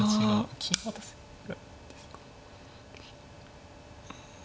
金渡すぐらいですか。